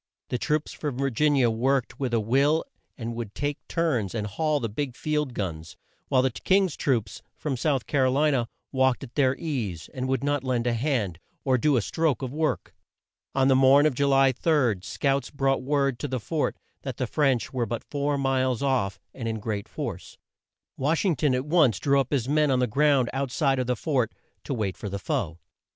The troops from Vir gin i a worked with a will and would take turns and haul the big field guns, while the King's troops, from South Car o li na, walked at their ease, and would not lend a hand, or do a stroke of work. On the morn of Ju ly 3, scouts brought word to the fort that the French were but four miles off, and in great force. Wash ing ton at once drew up his men on the ground out side of the fort, to wait for the foe.